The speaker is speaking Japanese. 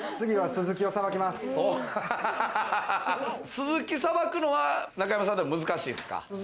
スズキをさばくのは、中山さんでも難しいっすか？